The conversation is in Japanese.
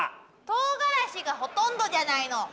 とうがらしがほとんどじゃないの！